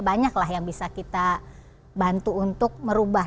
banyak lah yang bisa kita bantu untuk merubah